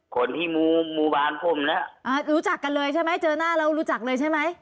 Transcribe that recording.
คนที่มูมูบานผมเนี่ยรู้จักกันเลยใช่ไหมเจอหน้าแล้วรู้จักเลยใช่ไหม